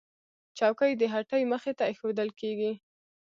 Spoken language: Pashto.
چوکۍ د هټۍ مخې ته ایښودل کېږي.